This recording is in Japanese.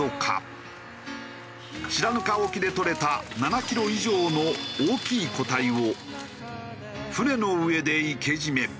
白糠沖でとれた７キロ以上の大きい個体を船の上で活け締め。